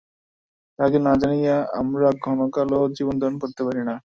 তাঁহাকে না জানিয়া আমরা ক্ষণকালও জীবনধারণ করিতে পারি না।